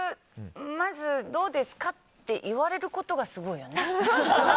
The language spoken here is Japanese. まずどうですか？って言われることが、すごいよね。